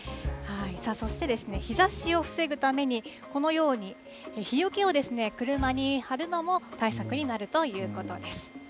そしてですね、日ざしを防ぐために、このように日よけを車に張るのも対策になるということです。